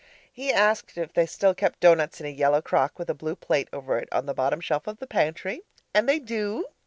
He asked if they still kept doughnuts in a yellow crock with a blue plate over it on the bottom shelf of the pantry and they do!